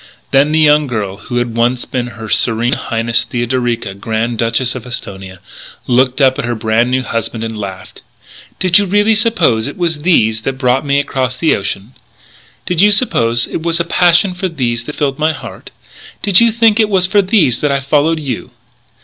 Then the young girl who had once been Her Serene Highness Theodorica, Grand Duchess of Esthonia, looked up at her brand new husband and laughed. "Did you really suppose it was these that brought me across the ocean? Did you suppose it was a passion for these that filled my heart? Did you think it was for these that I followed you?"